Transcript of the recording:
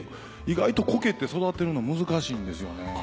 意外とコケって育てるの難しいんですよね。